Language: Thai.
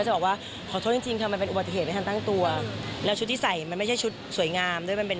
สมกันการปฏิบัตรตัวของเก๊เอิง